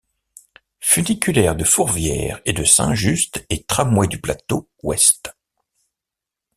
Funiculaires de Fourvière et de Saint-Just et tramways du plateau ouest.